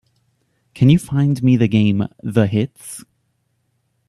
Can you find me the game, The Hits?